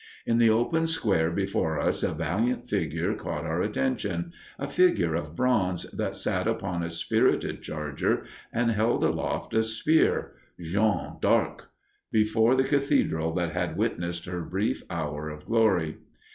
In the open square before us a valiant figure caught our attention, a figure of bronze that sat upon a spirited charger and held aloft a spear Jeanne d'Arc, before the cathedral that had witnessed her brief hour of glory.